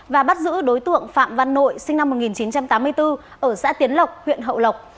và bắt giữ đối tượng phạm văn nội sinh năm một nghìn chín trăm tám mươi bốn ở xã tiến lộc huyện hậu lộc